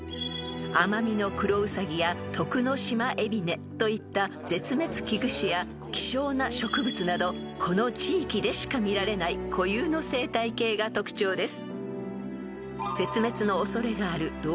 ［アマミノクロウサギやトクノシマエビネといった絶滅危惧種や希少な植物などこの地域でしか見られない固有の生態系が特徴です］